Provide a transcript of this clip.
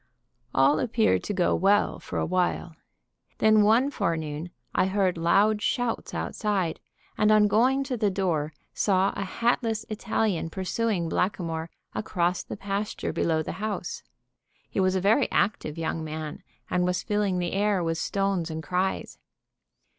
All appeared to go well for a while. Then one forenoon I heard loud shouts outside, and on going to the door, saw a hatless Italian pursuing Blackamoor across the pasture below the house. He was a very active young man, and was filling the air with stones and cries.